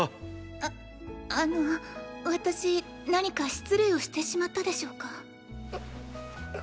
ああの私何か失礼をしてしまったでしょうか？